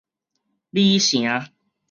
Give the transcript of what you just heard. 鯉城